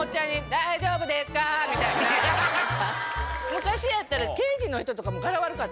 昔やったら。